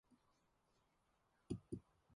Өнөө залуу эмчийг бол зөндөө харсан.